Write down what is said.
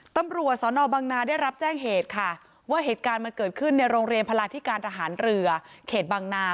ตำรวจสนบังนาได้รับแจ้งเหตุค่ะว่าเหตุการณ์มันเกิดขึ้นในโรงเรียนพลาธิการทหารเรือเขตบังนา